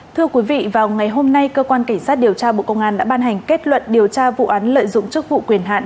thưa quý vị vào ngày hôm nay cơ quan cảnh sát điều tra bộ công an đã ban hành kết luận điều tra vụ án lợi dụng chức vụ quyền hạn